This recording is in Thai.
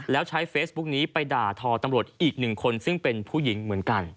แล้วใช้เฟซบุ๊กนี้ไปด่าทอตำรวจอีกหนึ่งคนซึ่งเป็นผู้หญิงเหมือนกัน